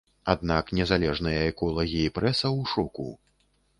Аднак незалежныя эколагі і прэса ў шоку.